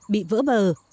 bị vỡ bờ